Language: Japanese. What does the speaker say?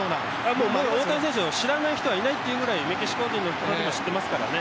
もう大谷選手を知らない人はいないってくらいメキシコ人も知ってますからね。